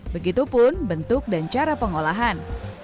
begitupun bentuk dan cara pengolahan